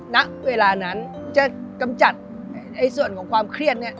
ณเวลานั้นจะกำจัดในส่วนของความเครียดเนี่ย